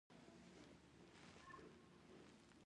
دا خاطره د کومیډي او مسخرې تومنه یې درلوده.